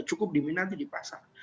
dan cukup diminati di pasar